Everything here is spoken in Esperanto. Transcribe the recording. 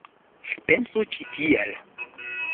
Pensu ĉi tiel.